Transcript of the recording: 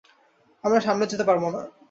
আমরা সামনে যেতে পারব না।